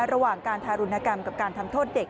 ระหว่างการทารุณกรรมกับการทำโทษเด็ก